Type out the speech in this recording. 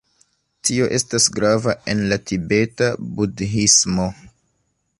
Tio estas grava en la Tibeta Budhismo.